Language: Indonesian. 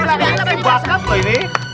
biasanya banyak banget